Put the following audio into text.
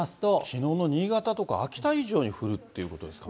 きのうの新潟とか秋田以上に降るっていうことですかね。